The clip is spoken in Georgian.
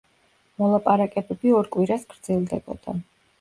მოლაპარაკებები ორ კვირას გრძელდებოდა.